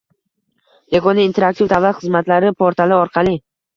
yagona interaktiv davlat xizmatlari portali orqali;